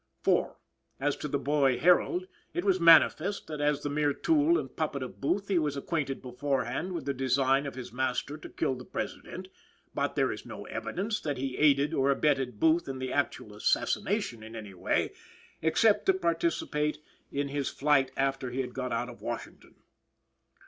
IV. As to the boy Herold, it was manifest that, as the mere tool and puppet of Booth, he was acquainted beforehand with the design of his master to kill the President, but there is no evidence that he aided or abetted Booth in the actual assassination in any way except to participate in his flight after he had got out of Washington.